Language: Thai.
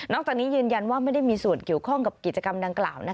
จากนี้ยืนยันว่าไม่ได้มีส่วนเกี่ยวข้องกับกิจกรรมดังกล่าว